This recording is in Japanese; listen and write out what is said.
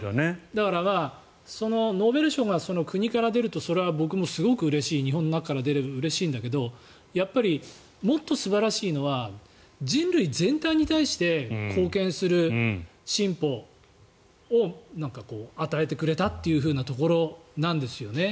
だからノーベル賞が国から出るとそれは僕もすごくうれしい日本の中から出ればうれしいんだけどやっぱりもっと素晴らしいのは人類全体に対して貢献する進歩を与えてくれたというところなんですよね。